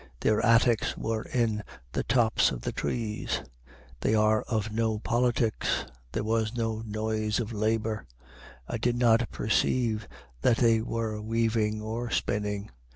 Their attics were in the tops of the trees. They are of no politics. There was no noise of labor. I did not perceive that they were weaving or spinning.